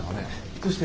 どうして？